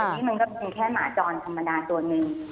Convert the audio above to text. นี่มันก็เป็นแค่หมาจรธรรมดาตัวหนึ่ง